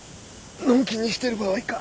のんきにしてる場合か！